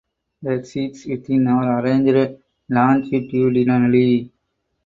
The seeds within are arranged longitudinally.